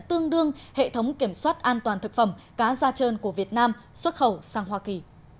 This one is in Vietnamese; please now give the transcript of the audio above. tương đương hệ thống kiểm soát an toàn thực phẩm cá da trơn của việt nam xuất khẩu sang hoa kỳ